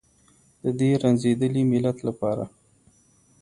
د دې رنځېدلي ملت لپاره.